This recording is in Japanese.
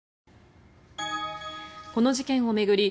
この事件を巡り